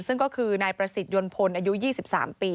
ซึ่งก็คือนายประสิทธิยนต์พลอายุ๒๓ปี